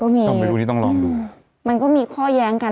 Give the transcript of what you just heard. มันก็มีข้อย้างกัน